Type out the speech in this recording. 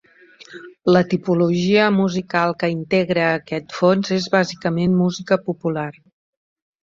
La tipologia musical que integra aquest fons és bàsicament música popular.